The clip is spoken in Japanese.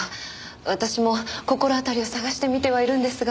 私も心当たりを探してみてはいるんですが。